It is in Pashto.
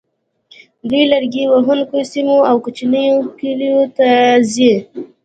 دوی لرګي وهونکو سیمو او کوچنیو کلیو ته ځي